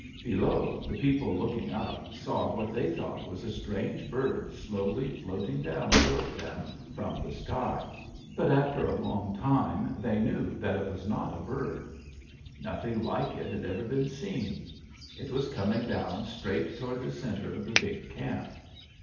Below, the people, looking up, saw what they thought was a strange bird slowly floating down toward them from the sky. But after a long time they knew that it was not a bird. Nothing like it had ever been seen. It was coming down straight toward the center of the big camp.